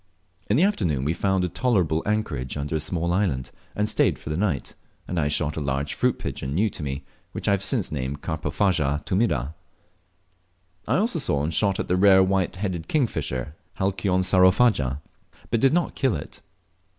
In the afternoon we found a tolerable anchorage under a small island and stayed for the night, and I shot a large fruit pigeon new to me, which I have since named Carpophaga tumida. I also saw and shot at the rare white headed kingfisher (Halcyon saurophaga), but did not kill it.